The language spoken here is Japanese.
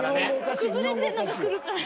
崩れてんのが来るから。